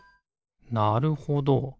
なるほど。